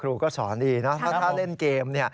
ครูก็สอนดีนะเพราะถ้าเล่นเกม